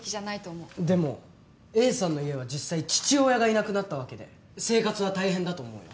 でもＡさんの家は実際父親がいなくなったわけで生活は大変だと思うよ。